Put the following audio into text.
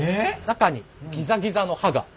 中にギザギザの歯が。